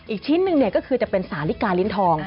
อีกชิ้นหนึ่งก็คือจะเป็นสาลิกาลิ้นทอง